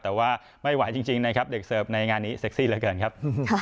แต่ว่าไม่ไหวจริงนะครับเด็กเสิร์ฟในงานนี้เซ็กซี่เหลือเกินครับ